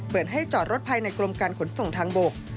ให้จอดรถภายในกรมการขนส่งทางบก